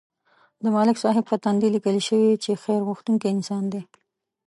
د ملک صاحب په تندي لیکل شوي چې خیر غوښتونکی انسان دی.